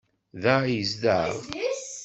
Da i yezdeɣ?